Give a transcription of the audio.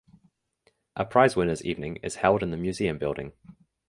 A prize winners evening is held in the Museum Building.